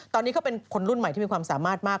ตอนนี้เขาเป็นคนรุ่นใหม่ที่มีความสามารถมาก